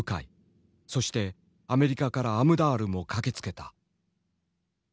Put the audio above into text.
そしてアメリカからアムダールも駆けつけた。